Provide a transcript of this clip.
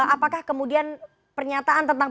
apakah kemudian pernyataan tentang